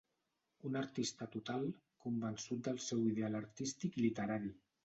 Un artista total, convençut del seu ideal artístic i literari.